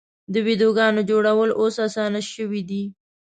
د ویډیوګانو جوړول اوس اسانه شوي دي.